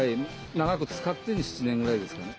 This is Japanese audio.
長く使って７年ぐらいですかね。